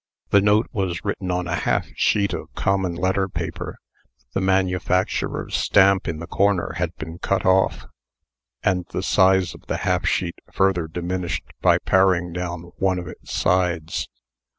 The note was written on a half sheet of common letter paper. The manufacturer's stamp in the corner had been cut off, and the size of the half sheet further diminished by paring down one of the sides.